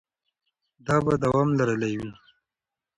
دا به دوام لرلی وي.